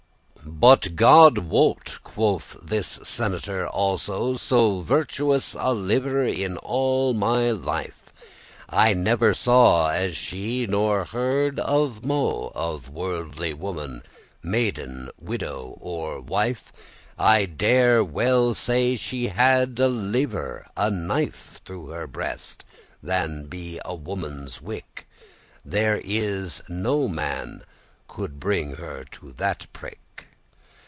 "But God wot," quoth this senator also, "So virtuous a liver in all my life I never saw, as she, nor heard of mo' Of worldly woman, maiden, widow or wife: I dare well say she hadde lever* a knife *rather Throughout her breast, than be a woman wick',* *wicked There is no man could bring her to that prick.